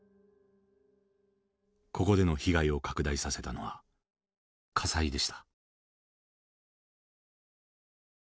ここでの被害を拡大させたのは火災でした。